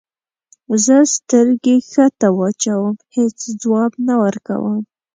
زه سترګې کښته واچوم هیڅ ځواب نه ورکوم.